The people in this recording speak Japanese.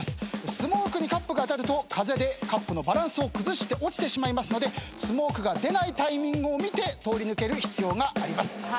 スモークにカップが当たると風でカップのバランスを崩して落ちてしまいますのでスモークが出ないタイミングを見て通り抜ける必要があります。